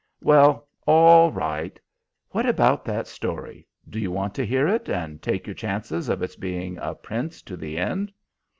"Well, all right! What about that story? Do you want to hear it, and take your chances of its being a Prince to the end?"